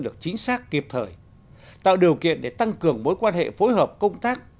được chính xác kịp thời tạo điều kiện để tăng cường mối quan hệ phối hợp công tác